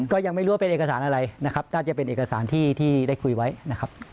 ก็ยังไม่รู้ว่าเป็นเอกสารอะไรนะครับน่าจะเป็นเอกสารที่ได้คุยไว้นะครับ